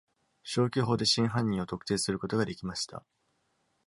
消去法で真犯人を特定することができました。